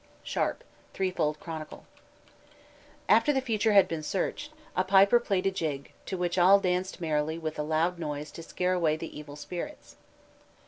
SHARP: Threefold Chronicle. After the future had been searched, a piper played a jig, to which all danced merrily with a loud noise to scare away the evil spirits.